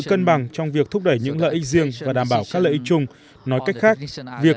cân bằng trong việc thúc đẩy những lợi ích riêng và đảm bảo các lợi ích chung nói cách khác việc